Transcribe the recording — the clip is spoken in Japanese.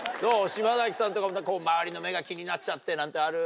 島崎さんとか周りの目が気になっちゃってなんてある？